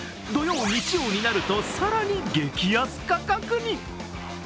土曜、日曜になると、更に激安価格に。